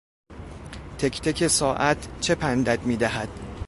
تکتک ساعت چه پندت میدهد...